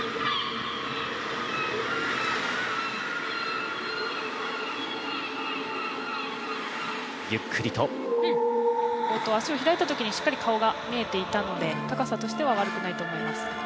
冒頭、しっかり足を開いたときに顔が見えていたので、高さとしては悪くないと思います。